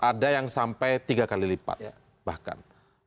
ada yang sampai tiga kali lipat bahkan